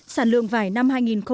sản lượng vải năm hai nghìn một mươi bảy